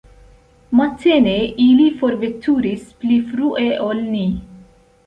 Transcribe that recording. Matene ili forveturis pli frue ol ni.